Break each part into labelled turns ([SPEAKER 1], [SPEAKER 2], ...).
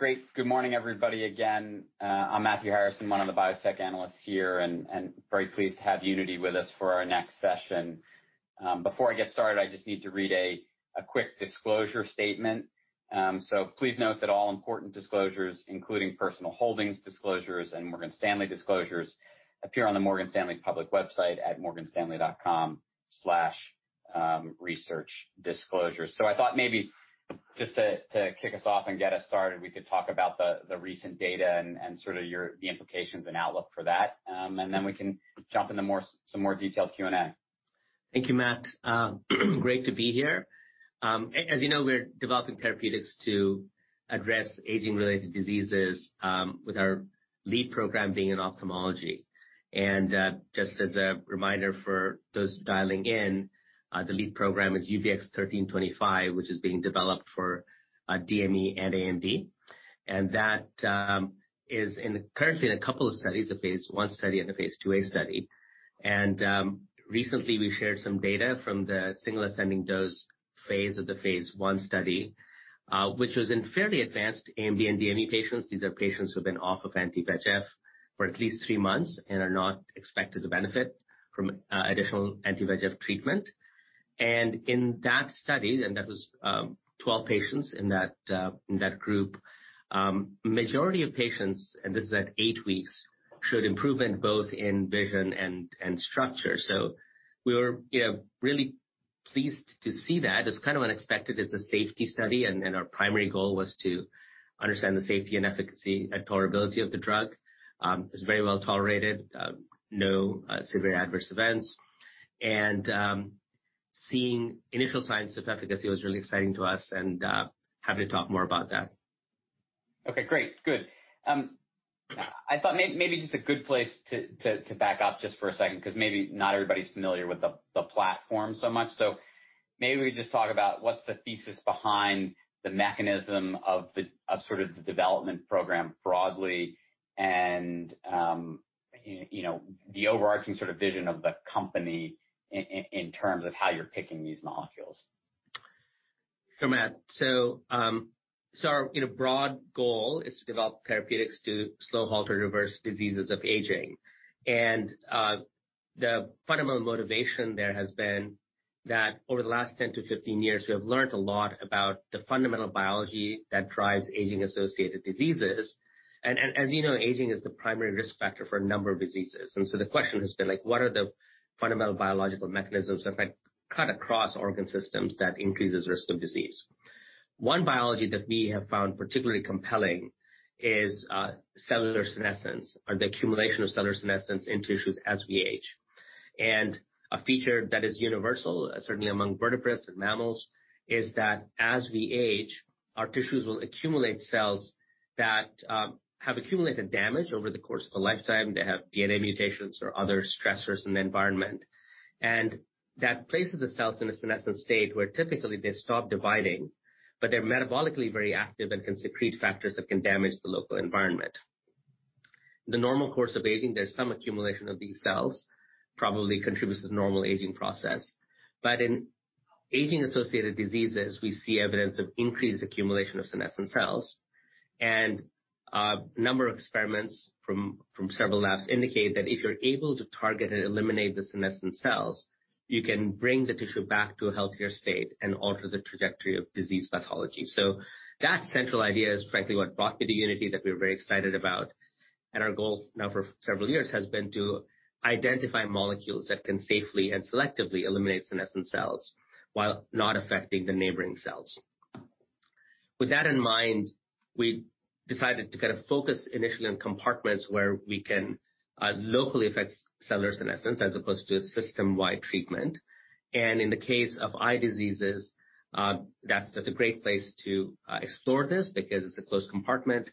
[SPEAKER 1] Great. Good morning, everybody, again. I'm Matthew Harrison, one of the biotech analysts here, and very pleased to have Unity with us for our next session. Before I get started, I just need to read a quick disclosure statement. Please note that all important disclosures, including personal holdings disclosures and Morgan Stanley disclosures, appear on the Morgan Stanley public website at morganstanley.com/researchdisclosures. I thought maybe just to kick us off and get us started, we could talk about the recent data and sort of the implications and outlook for that. Then we can jump into some more detailed Q&A.
[SPEAKER 2] Thank you, Matt. Great to be here. As you know, we're developing therapeutics to address aging-related diseases, with our lead program being in ophthalmology. Just as a reminder for those dialing in, the lead program is UBX1325, which is being developed for DME and AMD. That is currently in a couple of studies, a phase I study and a phase II-A study. Recently, we shared some data from the single ascending dose phase of the phase I study, which was in fairly advanced AMD and DME patients. These are patients who have been off of anti-VEGF for at least three months and are not expected to benefit from additional anti-VEGF treatment. In that study, and that was 12 patients in that group. Majority of patients, this is at eight weeks, showed improvement both in vision and structure. We were really pleased to see that. It's kind of unexpected as a safety study, and our primary goal was to understand the safety and efficacy and tolerability of the drug. It was very well-tolerated. No severe adverse events. Seeing initial signs of efficacy was really exciting to us and happy to talk more about that.
[SPEAKER 1] Okay, great. Good. I thought maybe just a good place to back up just for a second, because maybe not everybody's familiar with the platform so much. Maybe we just talk about what's the thesis behind the mechanism of sort of the development program broadly and the overarching sort of vision of the company in terms of how you're picking these molecules.
[SPEAKER 2] Sure, Matt. Our broad goal is to develop therapeutics to slow, halt, or reverse diseases of aging. The fundamental motivation there has been that over the last 10-15 years, we have learned a lot about the fundamental biology that drives aging-associated diseases. As you know, aging is the primary risk factor for a number of diseases. The question has been, what are the fundamental biological mechanisms that cut across organ systems that increases risk of disease? One biology that we have found particularly compelling is cellular senescence or the accumulation of cellular senescence in tissues as we age. A feature that is universal, certainly among vertebrates and mammals, is that as we age, our tissues will accumulate cells that have accumulated damage over the course of a lifetime. They have DNA mutations or other stressors in the environment. That places the cells in a senescent state where typically they stop dividing, but they're metabolically very active and can secrete factors that can damage the local environment. In the normal course of aging, there's some accumulation of these cells, probably contributes to the normal aging process. In aging-associated diseases, we see evidence of increased accumulation of senescent cells. A number of experiments from several labs indicate that if you're able to target and eliminate the senescent cells, you can bring the tissue back to a healthier state and alter the trajectory of disease pathology. That central idea is frankly what brought me to Unity that we're very excited about. Our goal now for several years has been to identify molecules that can safely and selectively eliminate senescent cells while not affecting the neighboring cells. With that in mind, we decided to kind of focus initially on compartments where we can locally affect cellular senescence as opposed to a system-wide treatment. In the case of eye diseases, that's a great place to explore this because it's a closed compartment.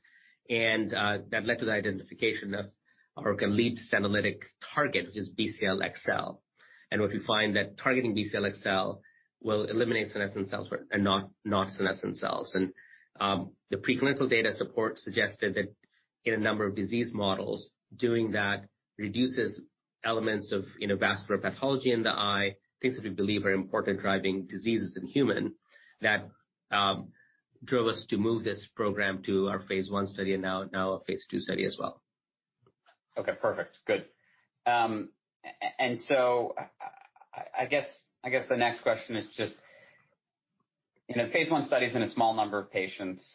[SPEAKER 2] That led to the identification of our lead senolytic target, which is Bcl-xL. What we find that targeting Bcl-xL will eliminate senescent cells and not non-senescent cells. The preclinical data support suggested that in a number of disease models, doing that reduces elements of vascular pathology in the eye, things that we believe are important driving diseases in human. That drove us to move this program to our phase I study and now a phase II study as well.
[SPEAKER 1] Okay, perfect. Good. I guess the next question is just in a phase I study is in a small number of patients,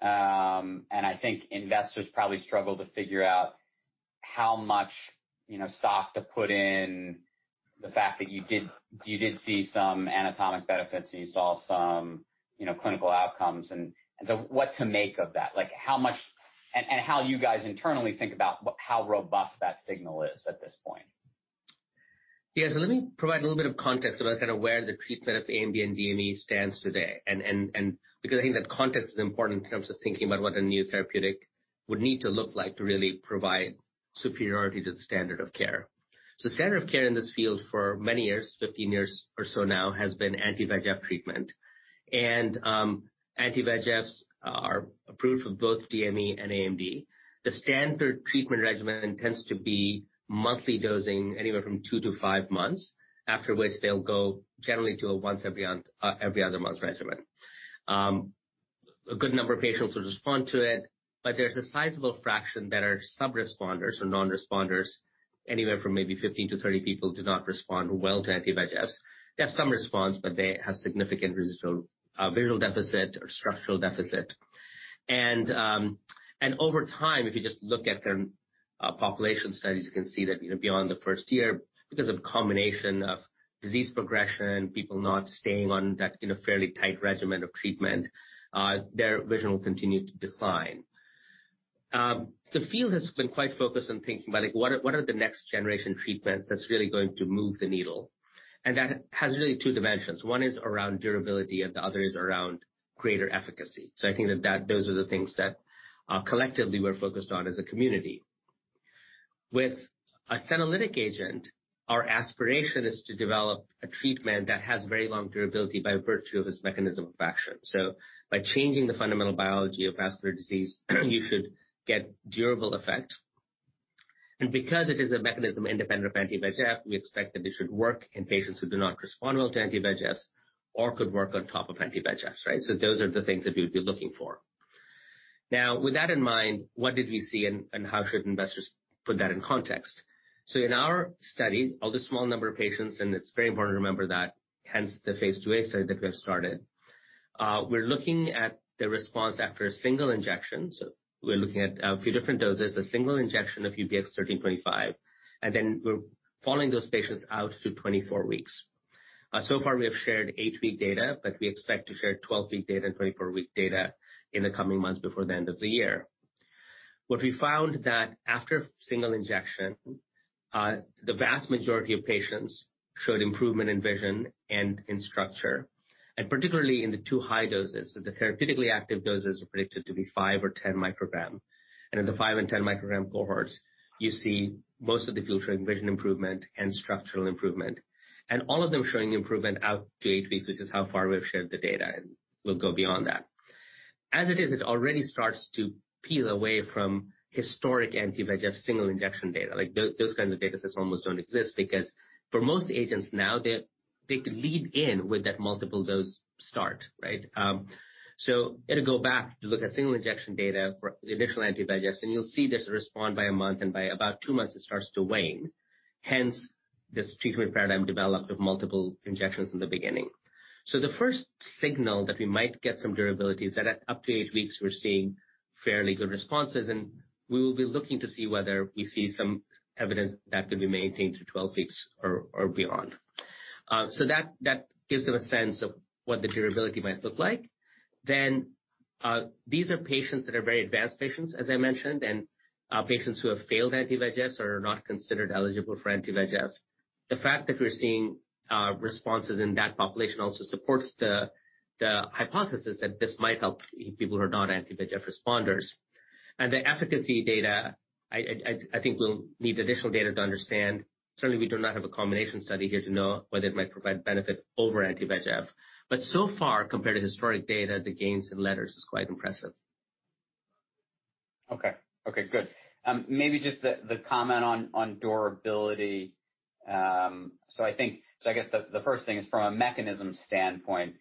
[SPEAKER 1] I think investors probably struggle to figure out how much stock to put in the fact that you did see some anatomic benefits, and you saw some clinical outcomes. What to make of that, and how you guys internally think about how robust that signal is at this point.
[SPEAKER 2] Yeah. Let me provide a little bit of context about kind of where the treatment of AMD and DME stands today. Because I think that context is important in terms of thinking about what a new therapeutic would need to look like to really provide superiority to the standard of care. The standard of care in this field for many years, 15 years or so now, has been anti-VEGF treatment. Anti-VEGFs are approved for both DME and AMD. The standard treatment regimen tends to be monthly dosing anywhere from two to five months, after which they'll go generally to a once every other month regimen. A good number of patients will respond to it, but there's a sizable fraction that are sub-responders or non-responders. Anywhere from maybe 15-30 people do not respond well to anti-VEGFs. They have some response, but they have significant residual visual deficit or structural deficit. Over time, if you just look at their population studies, you can see that beyond the first year, because of a combination of disease progression, people not staying on that fairly tight regimen of treatment, their vision will continue to decline. The field has been quite focused on thinking about what are the next generation treatments that's really going to move the needle. That has really two dimensions. One is around durability and the other is around greater efficacy. I think that those are the things that collectively we're focused on as a community. With a senolytic agent, our aspiration is to develop a treatment that has very long durability by virtue of its mechanism of action. By changing the fundamental biology of vascular disease, you should get durable effect. Because it is a mechanism independent of anti-VEGF, we expect that it should work in patients who do not respond well to anti-VEGFs or could work on top of anti-VEGFs. Right. Those are the things that we'd be looking for. With that in mind, what did we see and how should investors put that in context? In our study, although a small number of patients, and it's very important to remember that, hence the phase II-A study that we have started. We're looking at the response after a single injection. We're looking at a few different doses, a single injection of UBX1325, and then we're following those patients out to 24 weeks. So far, we have shared 8-week data, but we expect to share 12-week data and 24-week data in the coming months before the end of the year. What we found that after a single injection, the vast majority of patients showed improvement in vision and in structure, and particularly in the two high doses. The therapeutically active doses were predicted to be five or 10 microgram. In the five and 10 microgram cohorts, you see most of the people showing vision improvement and structural improvement. All of them showing improvement out to 8 weeks, which is how far we've shared the data and will go beyond that. As it is, it already starts to peel away from historic anti-VEGF single injection data. Those kinds of data sets almost don't exist because for most agents now, they lead in with that multiple dose start, right? It'll go back to look at single injection data for the initial anti-VEGF, and you'll see this respond by a month, and by about two months it starts to wane. Hence this treatment paradigm developed with multiple injections in the beginning. The first signal that we might get some durability is that at up to eight weeks we're seeing fairly good responses, and we will be looking to see whether we see some evidence that can be maintained through 12 weeks or beyond. That gives them a sense of what the durability might look like. These are patients that are very advanced patients, as I mentioned, and patients who have failed anti-VEGFs or are not considered eligible for anti-VEGF. The fact that we're seeing responses in that population also supports the hypothesis that this might help people who are not anti-VEGF responders. The efficacy data, I think we'll need additional data to understand. Certainly, we do not have a combination study here to know whether it might provide benefit over anti-VEGF. So far, compared to historic data, the gains in letters is quite impressive.
[SPEAKER 1] Okay. Good. Maybe just the comment on durability. I guess the first thing is from a mechanism standpoint,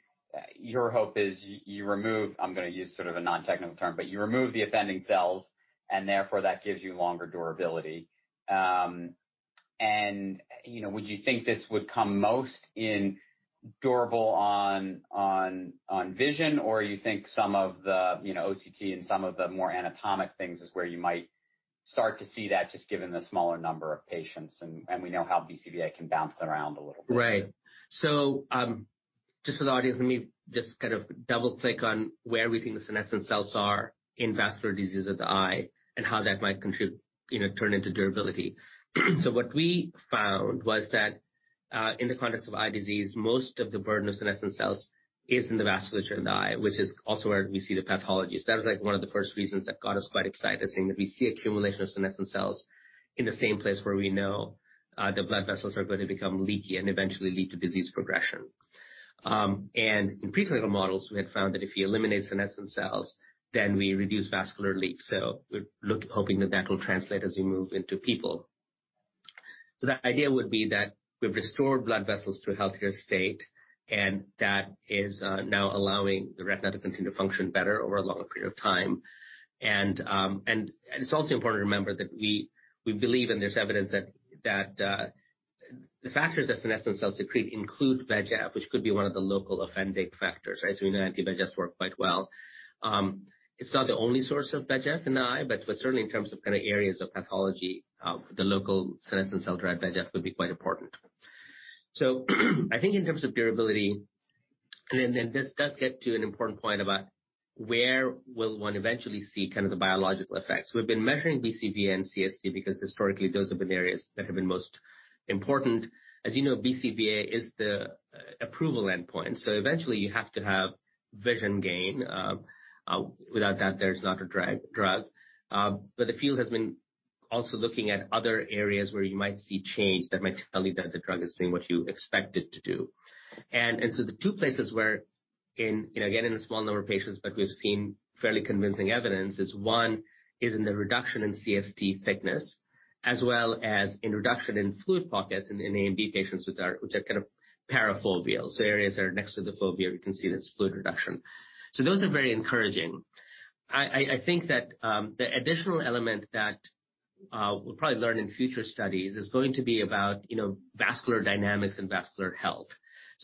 [SPEAKER 1] your hope is you remove, I'm going to use sort of a non-technical term, but you remove the offending cells and therefore that gives you longer durability. Would you think this would come most in durable on vision, or you think some of the OCT and some of the more anatomic things is where you might start to see that, just given the smaller number of patients, and we know how BCVA can bounce around a little bit?
[SPEAKER 2] Right. Just for the audience, let me just double-click on where we think the senescent cells are in vascular disease of the eye and how that might turn into durability. What we found was that in the context of eye disease, most of the burden of senescent cells is in the vasculature of the eye, which is also where we see the pathologies. That was one of the first reasons that got us quite excited, seeing that we see accumulation of senescent cells in the same place where we know the blood vessels are going to become leaky and eventually lead to disease progression. In preclinical models, we had found that if you eliminate senescent cells, then we reduce vascular leak. We're hoping that that will translate as we move into people. The idea would be that we've restored blood vessels to a healthier state, and that is now allowing the retina to continue to function better over a longer period of time. It's also important to remember that we believe, and there's evidence that the factors that senescent cells secrete include VEGF, which could be one of the local offending factors, right? We know anti-VEGFs work quite well. It's not the only source of VEGF in the eye, but certainly in terms of areas of pathology, the local senescent cell-derived VEGF would be quite important. I think in terms of durability, and this does get to an important point about where will one eventually see the biological effects. We've been measuring BCVA and CST because historically those have been areas that have been most important. As you know, BCVA is the approval endpoint, so eventually you have to have vision gain. Without that, there's not a drug. The field has been also looking at other areas where you might see change that might tell you that the drug is doing what you expect it to do. The two places where in, again, in a small number of patients, but we've seen fairly convincing evidence is 1 is in the reduction in CST thickness. As well as a reduction in fluid pockets in AMD patients which are parafoveal. Areas that are next to the fovea, we can see there's fluid reduction. Those are very encouraging. I think that the additional element that we'll probably learn in future studies is going to be about vascular dynamics and vascular health.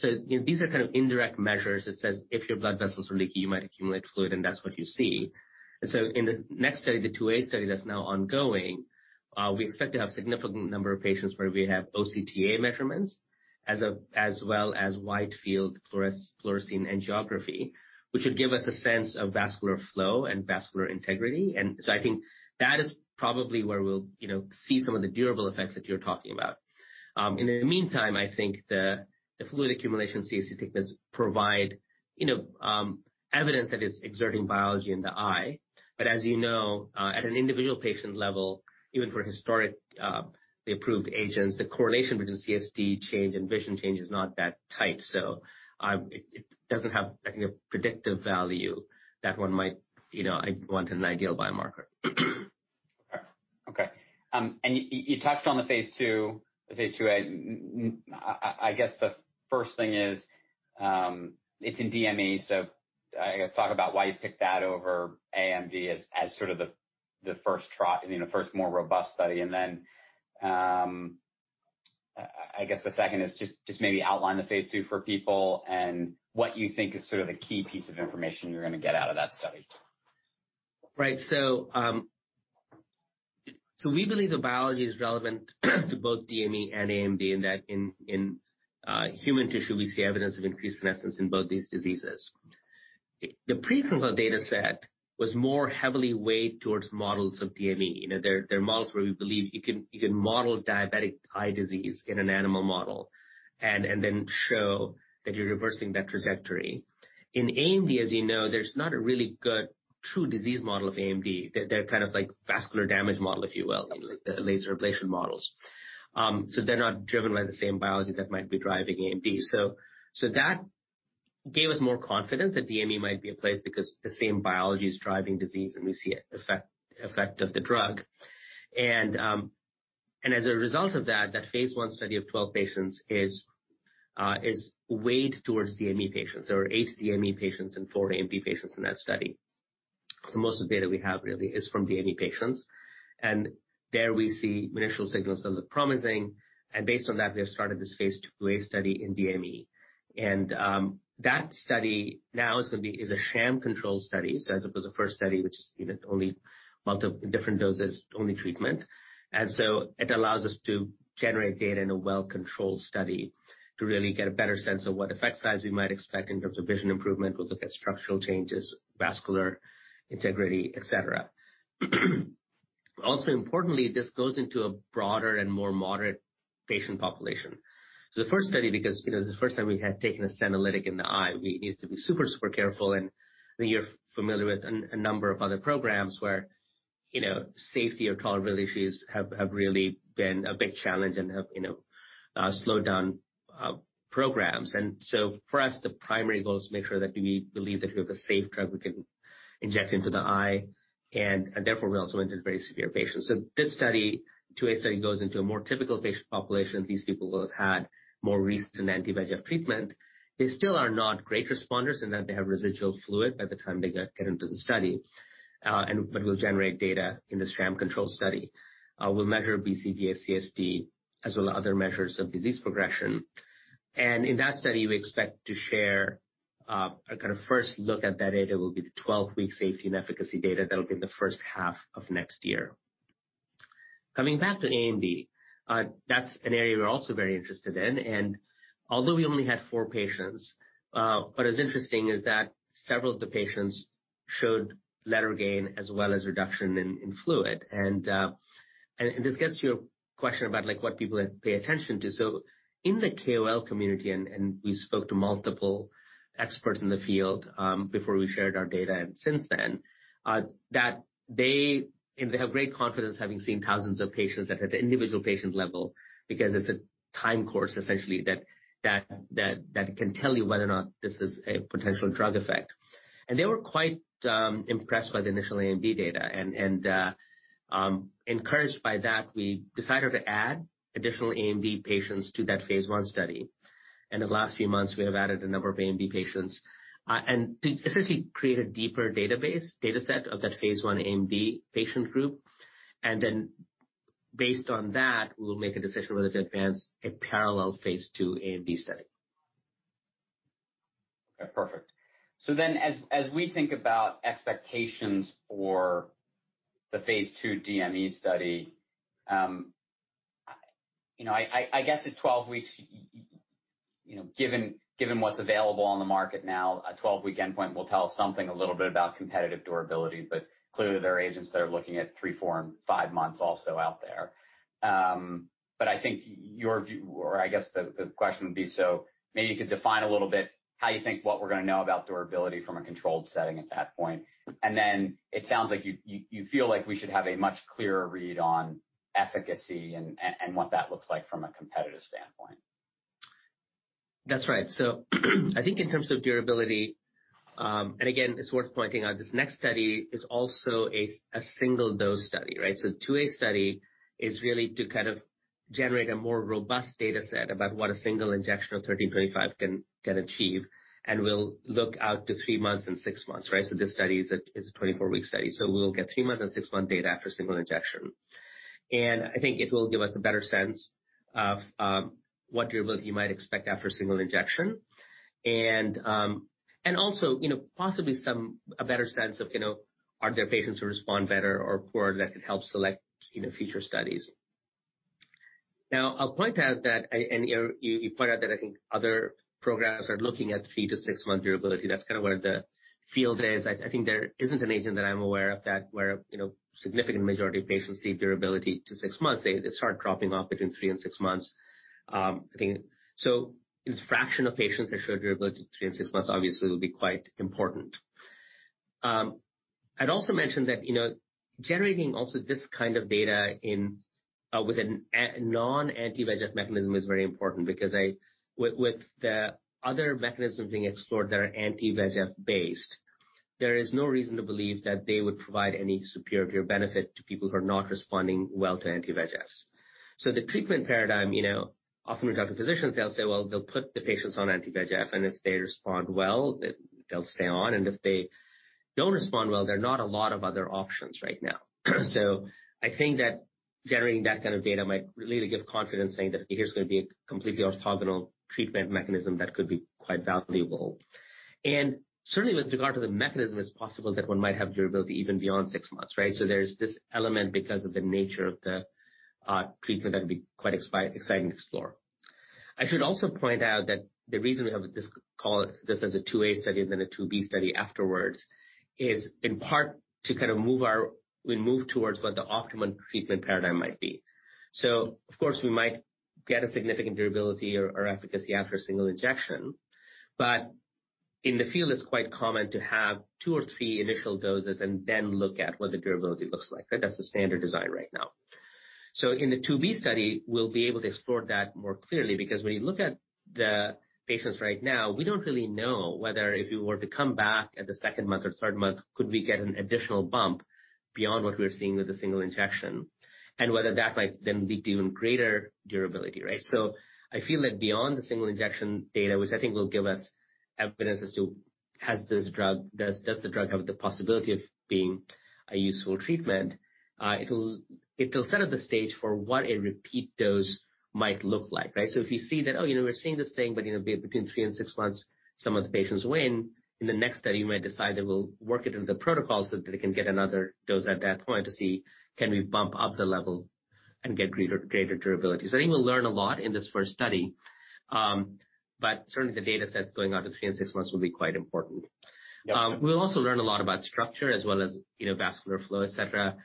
[SPEAKER 2] These are kind of indirect measures that says if your blood vessels are leaky, you might accumulate fluid, and that's what you see. In the next study, the phase II-A study that's now ongoing, we expect to have significant number of patients where we have OCTA measurements, as well as wide-field fluorescein angiography, which would give us a sense of vascular flow and vascular integrity. I think that is probably where we'll see some of the durable effects that you're talking about. In the meantime, I think the fluid accumulation CST thickness provide evidence that it's exerting biology in the eye. As you know, at an individual patient level, even for historic approved agents, the correlation between CST change and vision change is not that tight. It doesn't have, I think, a predictive value that one might want in an ideal biomarker.
[SPEAKER 1] Okay. You touched on the phase II-A. The first thing is, it's in DME, talk about why you picked that over AMD as sort of the first more robust study. The second is just maybe outline the phase II for people and what you think is sort of a key piece of information you're going to get out of that study.
[SPEAKER 2] Right. We believe the biology is relevant to both DME and AMD in that in human tissue, we see evidence of increased senescence in both these diseases. The preclinical data set was more heavily weighed towards models of DME. There are models where we believe you can model diabetic eye disease in an animal model and then show that you're reversing that trajectory. In AMD, as you know, there's not a really good true disease model of AMD. They're kind of like vascular damage model, if you will, in laser ablation models. They're not driven by the same biology that might be driving AMD. That gave us more confidence that DME might be a place because the same biology is driving disease, and we see effect of the drug. As a result of that phase I study of 12 patients is weighed towards DME patients. There were eight DME patients and four AMD patients in that study. Most of the data we have really is from DME patients. There we see initial signals that look promising. Based on that, we have started this phase II-A study in DME. That study now is a sham control study. As opposed to the first study, which is only different doses, only treatment. It allows us to generate data in a well-controlled study to really get a better sense of what effect size we might expect in terms of vision improvement. We'll look at structural changes, vascular integrity, et cetera. Also importantly, this goes into a broader and more moderate patient population. The first study, because this is the first time we had taken a senolytic in the eye, we needed to be super careful. I think you're familiar with a number of other programs where safety or tolerability issues have really been a big challenge and have slowed down programs. For us, the primary goal is to make sure that we believe that we have a safe drug we can inject into the eye, and therefore, we also entered very severe patients. This phase II-A study goes into a more typical patient population. These people will have had more recent anti-VEGF treatment. They still are not great responders in that they have residual fluid by the time they get into the study. We'll generate data in this sham control study. We'll measure BCVA CST as well as other measures of disease progression. In that study, we expect to share a kind of first look at that data will be the 12-week safety and efficacy data that'll be in the first half of next year. Coming back to AMD, that's an area we're also very interested in. Although we only had four patients, what is interesting is that several of the patients showed letter gain as well as reduction in fluid. This gets to your question about what people pay attention to. In the KOL community, and we spoke to multiple experts in the field before we shared our data and since then, that they have great confidence having seen thousands of patients that at the individual patient level because it's a time course essentially that can tell you whether or not this is a potential drug effect. They were quite impressed by the initial AMD data. Encouraged by that, we decided to add additional AMD patients to that phase I study. In the last few months, we have added a number of AMD patients, and to essentially create a deeper data set of that phase I AMD patient group. Based on that, we'll make a decision whether to advance a parallel phase II AMD study.
[SPEAKER 1] Okay, perfect. As we think about expectations for the phase II DME study, I guess at 12 weeks, given what's available on the market now, a 12-week endpoint will tell something a little bit about competitive durability, but clearly, there are agents that are looking at three, four, and five months also out there. I guess the question would be, so maybe you could define a little bit how you think what we're going to know about durability from a controlled setting at that point. It sounds like you feel like we should have a much clearer read on efficacy and what that looks like from a competitive standpoint.
[SPEAKER 2] That's right. I think in terms of durability, and again, it's worth pointing out this next study is also a single-dose study, right? The phase II-A study is really to kind of generate a more robust data set about what a single injection of UBX1325 can achieve, and we'll look out to three months and six months, right? This study is a 24-week study. We'll get three month and sixmonth data after a single injection. I think it will give us a better sense of what durability you might expect after a single injection. Also, possibly a better sense of are there patients who respond better or poor that could help select future studies. Now, I'll point out that, and you pointed out that I think other programs are looking at three to six month durability. That's kind of where the field is. I think there isn't an agent that I'm aware of that where significant majority of patients see durability to six months. They start dropping off between three and six months. It's fraction of patients that show durability to three and six months, obviously, will be quite important. I'd also mentioned that generating also this kind of data with a non-anti-VEGF mechanism is very important because with the other mechanisms being explored that are anti-VEGF based, there is no reason to believe that they would provide any superiority or benefit to people who are not responding well to anti-VEGFs. The treatment paradigm, often we talk to physicians, they'll say, well, they'll put the patients on anti-VEGF, and if they respond well, they'll stay on, and if they don't respond well, there are not a lot of other options right now. I think that generating that kind of data might really give confidence saying that, "Here's going to be a completely orthogonal treatment mechanism that could be quite valuable." Certainly, with regard to the mechanism, it's possible that one might have durability even beyond six months, right? There's this element because of the nature of the treatment that would be quite exciting to explore. I should also point out that the reason we have this call, this as a phase II-A study, then a phase II-B study afterwards, is in part to kind of move towards what the optimum treatment paradigm might be. Of course, we might get a significant durability or efficacy after a single injection, but in the field it's quite common to have two or three initial doses and then look at what the durability looks like. That's the standard design right now. In the phase II-B study, we'll be able to explore that more clearly, because when you look at the patients right now, we don't really know whether if you were to come back at the second month or third month, could we get an additional bump beyond what we're seeing with a single injection? Whether that might then lead to even greater durability, right? I feel that beyond the single injection data, which I think will give us evidence as to does the drug have the possibility of being a useful treatment? It'll set up the stage for what a repeat dose might look like, right? If you see that, we're seeing this thing, but between three and six months, some of the patients wane, in the next study, we might decide that we'll work it into the protocol so that they can get another dose at that point to see, can we bump up the level and get greater durability. I think we'll learn a lot in this first study, but certainly the data sets going out to three and six months will be quite important.
[SPEAKER 1] Yeah.
[SPEAKER 2] We'll also learn a lot about structure as well as vascular flow, et cetera,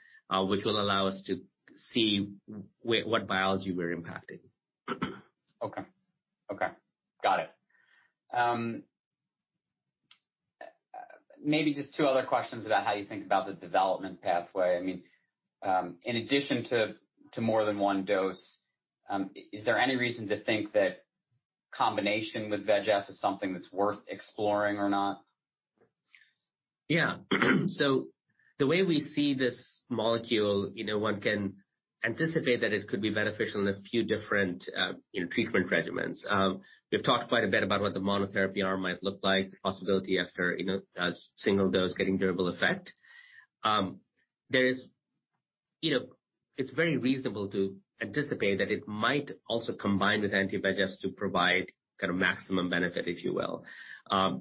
[SPEAKER 2] which will allow us to see what biology we're impacting.
[SPEAKER 1] Okay. Got it. Maybe just two other questions about how you think about the development pathway. In addition to more than one dose, is there any reason to think that combination with VEGF is something that's worth exploring or not?
[SPEAKER 2] The way we see this molecule, one can anticipate that it could be beneficial in a few different treatment regimens. We've talked quite a bit about what the monotherapy arm might look like, the possibility after a single dose getting durable effect. It's very reasonable to anticipate that it might also combine with anti-VEGF to provide maximum benefit, if you will,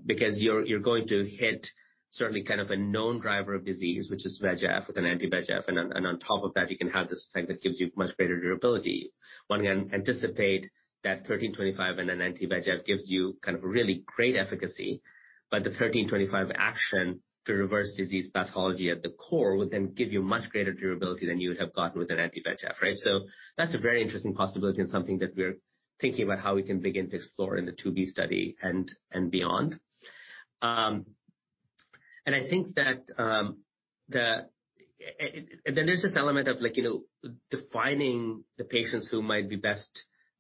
[SPEAKER 2] because you're going to hit certainly a known driver of disease, which is VEGF with an anti-VEGF. On top of that, you can have this thing that gives you much greater durability. One can anticipate that 1325 and an anti-VEGF gives you really great efficacy, the 1325 action to reverse disease pathology at the core would then give you much greater durability than you would have gotten with an anti-VEGF, right? That's a very interesting possibility and something that we're thinking about how we can begin to explore in the phase II-B study and beyond. I think that there's this element of defining the patients who might be best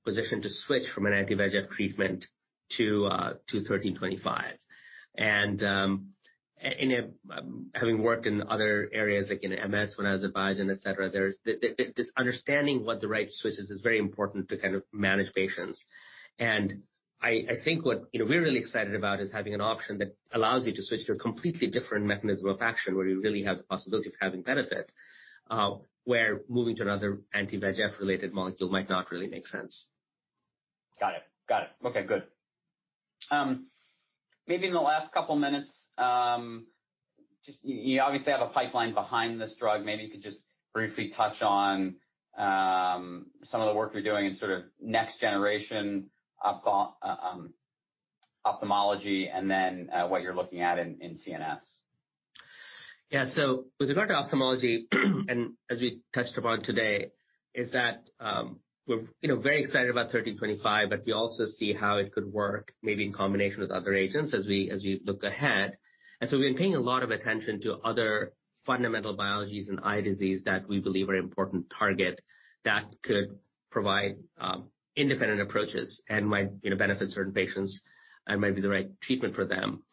[SPEAKER 2] positioned to switch from an anti-VEGF treatment to UBX1325. Having worked in other areas like in MS when I was at Biogen, et cetera, this understanding what the right switch is is very important to manage patients. I think what we're really excited about is having an option that allows you to switch to a completely different mechanism of action where you really have the possibility of having benefit, where moving to another anti-VEGF related molecule might not really make sense.
[SPEAKER 1] Got it. Okay, good. Maybe in the last couple minutes, you obviously have a pipeline behind this drug. Maybe you could just briefly touch on some of the work you're doing in sort of next generation ophthalmology and then what you're looking at in CNS.
[SPEAKER 2] Yeah. With regard to ophthalmology, and as we touched upon today, is that we're very excited about UBX1325, but we also see how it could work maybe in combination with other agents as we look ahead. We've been paying a lot of attention to other fundamental biologies in eye disease that we believe are important target that could provide independent approaches and might benefit certain patients and might be the right treatment for them.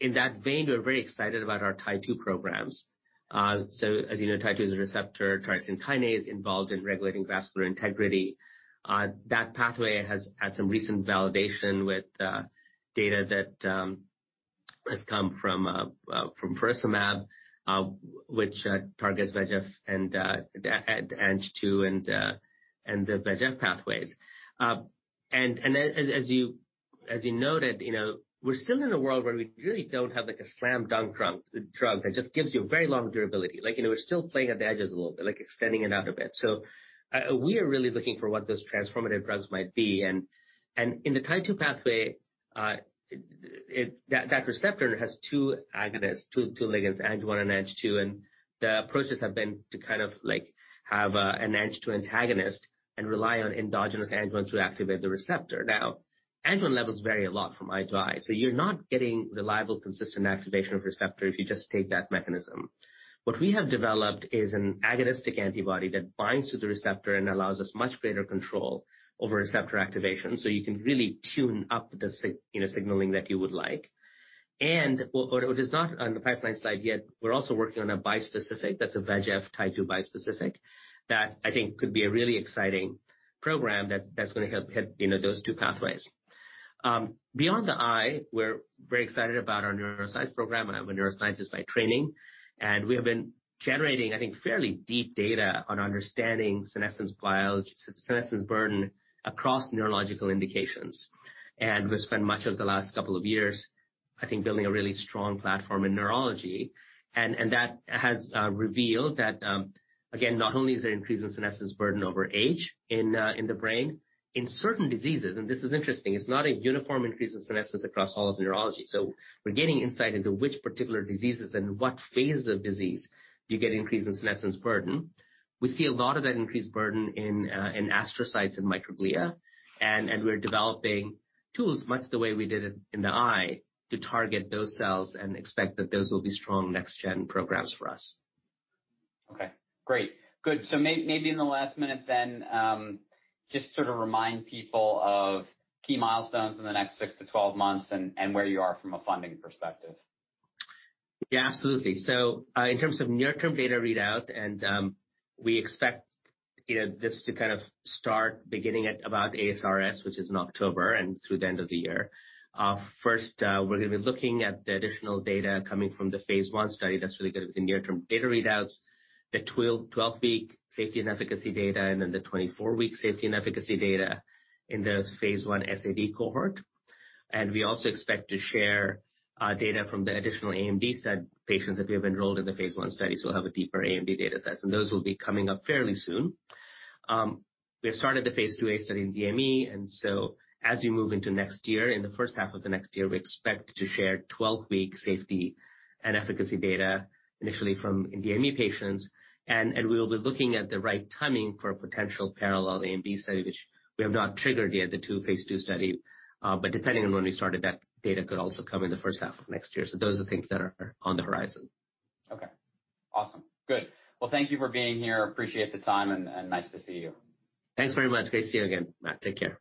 [SPEAKER 2] In that vein, we're very excited about our Tie2 programs. As you know, Tie2 is a receptor tyrosine kinase involved in regulating vascular integrity. That pathway has had some recent validation with data that has come from aflibercept, which targets VEGF and Ang-2 and the VEGF pathways. As you noted, we're still in a world where we really don't have a slam dunk drug that just gives you very long durability. We're still playing at the edges a little bit, extending it out a bit. We are really looking for what those transformative drugs might be. In the Tie2 pathway, that receptor has two agonists, two ligands, Ang-1 and Ang-2. The approaches have been to kind of have an Ang-2 antagonist and rely on endogenous Ang-1 to activate the receptor. Now, Ang-1 levels vary a lot from eye to eye. You're not getting reliable, consistent activation of receptor if you just take that mechanism. What we have developed is an agonistic antibody that binds to the receptor and allows us much greater control over receptor activation. You can really tune up the signaling that you would like. What is not on the pipeline slide yet, we're also working on a bispecific, that's a VEGF Tie2 bispecific, that I think could be a really exciting program that's going to hit those two pathways. Beyond the eye, we're very excited about our neuroscience program, I'm a neuroscientist by training. We have been generating, I think, fairly deep data on understanding senescence biology, senescence burden across neurological indications. We spent much of the last couple of years, I think, building a really strong platform in neurology. That has revealed that, again, not only is there increase in senescence burden over age in the brain, in certain diseases, and this is interesting. It's not a uniform increase in senescence across all of neurology. We're getting insight into which particular diseases and what phase of disease do you get increase in senescence burden. We see a lot of that increased burden in astrocytes and microglia, and we're developing tools much the way we did it in the eye to target those cells and expect that those will be strong next-gen programs for us.
[SPEAKER 1] Okay. Great. Good. Maybe in the last minute then, just sort of remind people of key milestones in the next six to 12 months and where you are from a funding perspective.
[SPEAKER 2] Absolutely. In terms of near-term data readout, and we expect this to kind of start beginning at about ASRS, which is in October, and through the end of the year. First, we're going to be looking at the additional data coming from the phase I study that's really going to be the near-term data readouts, the 12-week safety and efficacy data, and then the 24-week safety and efficacy data in the phase I SAD cohort. We also expect to share data from the additional AMD study patients that we have enrolled in the phase I study. We'll have a deeper AMD data set, and those will be coming up fairly soon. We have started the phase II-A study in DME, and so as we move into next year, in the first half of next year, we expect to share 12-week safety and efficacy data initially from DME patients. We will be looking at the right timing for a potential parallel AMD study, which we have not triggered yet, the two phase II study. Depending on when we started, that data could also come in the first half of next year. Those are things that are on the horizon.
[SPEAKER 1] Okay. Awesome. Good. Well, thank you for being here. Appreciate the time, and nice to see you.
[SPEAKER 2] Thanks very much. Great to see you again, Matt. Take care.